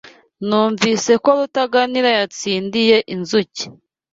Numvise ko Rutaganira yatsindiye inzuki.